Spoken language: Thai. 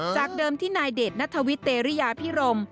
จากเดิมที่นายเดชนัทวิทเตรริยาพิรม